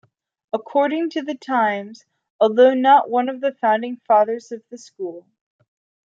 According to "The Times", "Although not one of the Founding Fathers of the School.